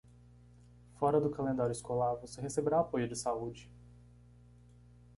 Fora do calendário escolar, você receberá apoio de saúde.